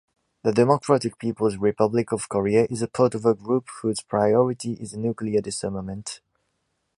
The Democratic People's Republic of Korea is part of a group whose priority is nuclear disarmament.